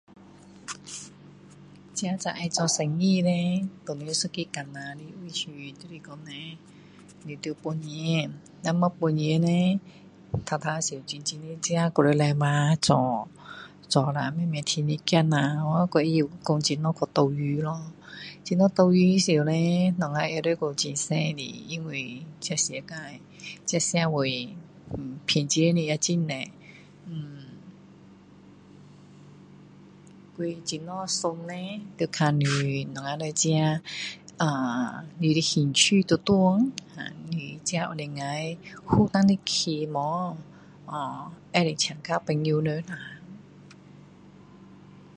自己要做生意叻！都有一个困难的地方就是说呢！你要有本钱，如果没有本钱呢！头头的时候自己必须勤劳做。做了慢慢赚一点然后，才懂得怎样去投资咯！怎样投资以后呢！我们还要很小心，因为这世界，这社会骗钱的也很多。嗯…所以怎样选呢！得看你，我们自己…啊…你的兴趣在哪里？你自己有办法负担得起吗？啊…可以请教朋友们呐！